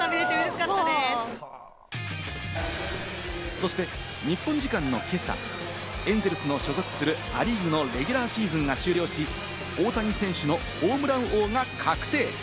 そして日本時間の今朝、エンゼルスの所属するア・リーグのレギュラーシーズンが終了し、大谷選手のホームラン王が確定。